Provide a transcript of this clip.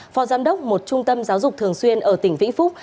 phó giám đốc một trung tâm giáo dục thường xuyên ở tỉnh vĩnh phúc